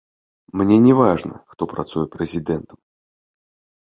Мне не важна, хто працуе прэзідэнтам.